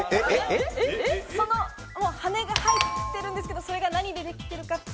羽が生えてるんですけれども、それが何でできてるか。